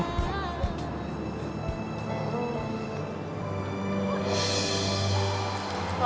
lo apaan sih ndra